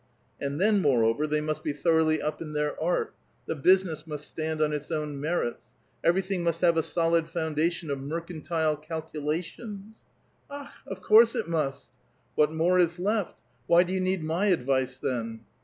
'*And then, moreover, they must be thoroughly up in their art. The business must stand on its own merits. Everything must have a solid foundation of mercantile calcu lations." " Akh! of course it must." *' What more is left? Why do you need my advice, then?